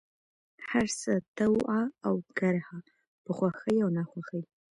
هرڅه، طوعا اوكرها ، په خوښۍ او ناخوښۍ،